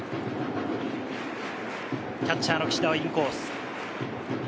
キャッチャーの岸田はインコース。